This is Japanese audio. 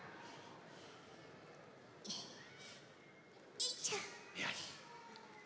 よいしょ。